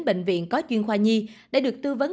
bệnh viện có chuyên khoa nhi đã được tư vấn